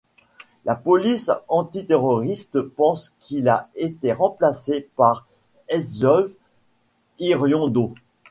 La police antiterroriste pense qu'il a été remplacé par Aitzol Iriondo.